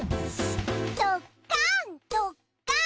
どっかんどっかん。